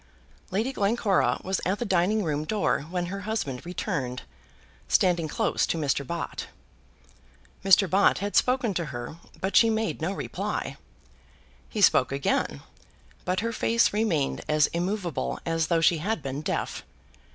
Lady Glencora was at the dining room door when her husband returned, standing close to Mr. Bott. Mr. Bott had spoken to her, but she made no reply. He spoke again, but her face remained as immovable as though she had been deaf.